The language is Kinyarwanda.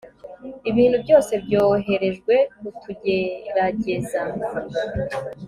ibintu byose byoherejwe kutugerageza